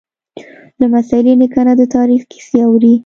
لمسی له نیکه نه د تاریخ کیسې اوري.